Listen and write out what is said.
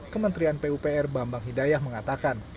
kementerian pupr bambang hidayah mengatakan